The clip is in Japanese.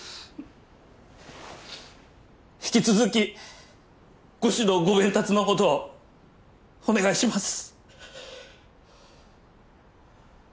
引き続きご指導ごべんたつのほどお願いします。